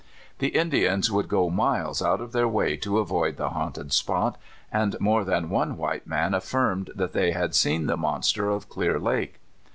The Indians would go miles out of their way to avoid the haunted spot, and more than one white man affirmed that they had seen the Monster oi Clear Lake.